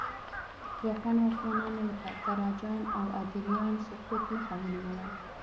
ځواکمنو واکمنانو لکه تراجان او ادریان سقوط مخه ونیوله